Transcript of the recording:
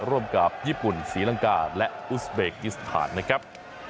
ร่วมกับญี่ปุ่นศรีลังกาและอุสเบกิสถานนะครับ